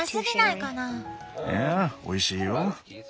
いやおいしいよ。